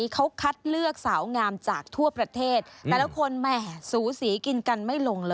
เขาคงเลือกไม่ถูกมั้ง